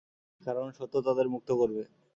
কারণ সত্য তাদের মুক্ত করবে।